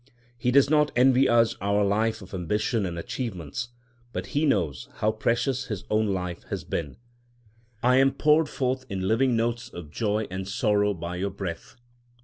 He does not envy us our life of ambition and achievements, but he knows how precious his own life has been: I am poured forth in living notes of joy and sorrow by your breath.